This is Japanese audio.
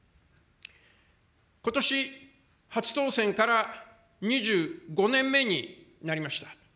ことし、初当選から２５年目になりました。